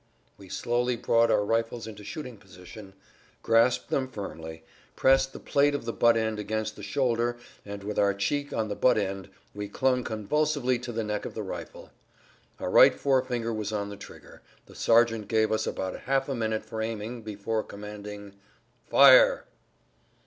we slowly brought our rifles into shooting position, grasped them firmly, pressed the plate of the butt end against the shoulder and, with our cheek on the butt end, we clung convulsively to the neck of the rifle. Our right forefinger was on the trigger, the sergeant gave us about half a minute for aiming before commanding, "Fire!"